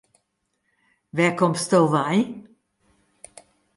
Wêr komsto wei?